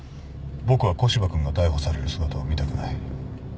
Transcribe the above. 僕は古芝君が逮捕される姿を見たくない。